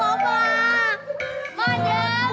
sampai sama pak